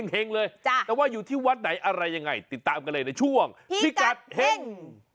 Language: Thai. เลยแต่ว่าอยู่ที่วัดไหนอะไรยังไงติดตามกันเลยในช่วงพิกัดเฮ่ง